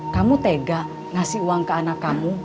kamu tega ngasih uang ke anak kamu